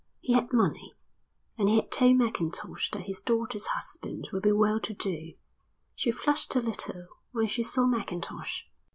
He had money, and he had told Mackintosh that his daughter's husband would be well to do. She flushed a little when she saw Mackintosh.